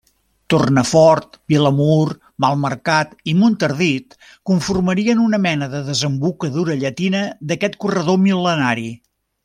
Tornafort, Vilamur, Malmercat i Montardit, conformarien una mena de desembocadura llatina d’aquest corredor mil·lenari.